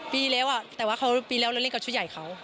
ปีแล้วแต่ว่าเขาปีแล้วเราเล่นกับชุดใหญ่เขา